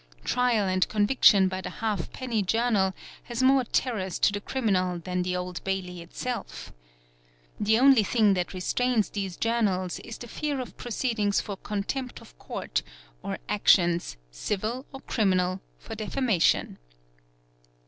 Trial and conviction by the half penny journal has more terrors" to the criminal than the Old Bailey itself. The only thing that restrains # these journals is the fear of proceedings for contempt of court or actions, | civil or criminal, for defamation.